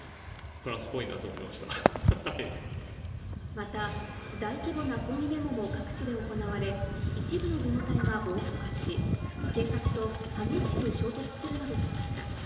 また大規模な抗議デモも各地で行われ、一部のデモ隊が暴徒化し、警察と激しく衝突するなどしました。